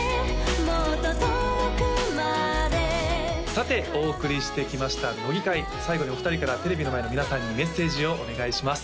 さてお送りしてきました乃木回最後にお二人からテレビの前の皆さんにメッセージをお願いします